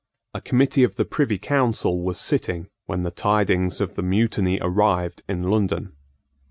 A committee of the Privy Council was sitting when the tidings of the mutiny arrived in London.